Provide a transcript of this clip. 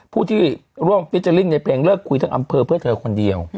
ผู้ที่ร่วมฟิเจอร์ลิ่งในเพลงเลิกคุยทั้งอำเภอเพื่อเธอคนเดียว